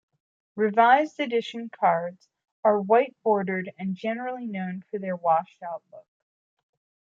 "Revised Edition" cards are white-bordered and generally known for their washed-out look.